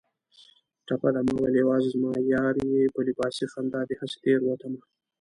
ټپه ده: ماوېل یوازې زما یار یې په لباسي خندا دې هسې تېروتمه